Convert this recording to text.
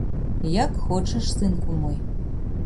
Як хочаш, сынку мой.